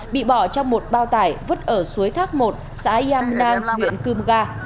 bị bỏ trong một bao tải vứt ở suối thác một xã yàm nam huyện cưm ga